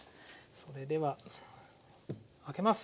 それでは開けます！